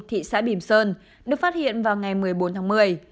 thị xã bìm sơn được phát hiện vào ngày một mươi bốn tháng một mươi